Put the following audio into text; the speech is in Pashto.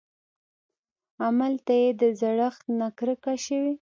املته يې د زړښت نه کرکه شوې.